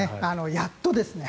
やっとですね。